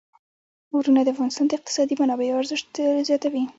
غرونه د افغانستان د اقتصادي منابعو ارزښت زیاتوي.